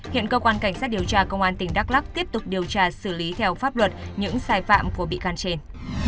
hiện cơ quan cảnh sát điều tra công an tỉnh đắk lắc tiếp tục điều tra xử lý theo pháp luật những sai phạm của bị can trên